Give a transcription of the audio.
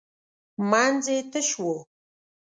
منځ یې تش و .